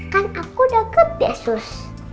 kan aku udah gede sus